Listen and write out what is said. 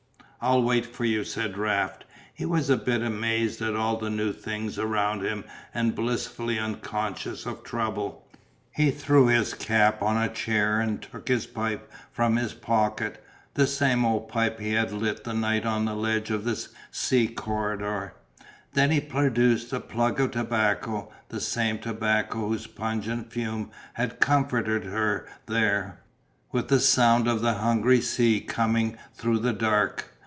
"I'll wait for you," said Raft. He was a bit amazed at all the new things around him and blissfully unconscious of trouble. He threw his cap on a chair and took his pipe from his pocket, the same old pipe he had lit that night on the ledge of the sea corridor, then he produced a plug of tobacco, the same tobacco whose pungent fume had comforted her there, with the sound of the hungry sea coming through the dark.